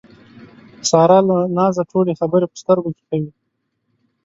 ساره له نازه ټولې خبرې په سترګو کې کوي.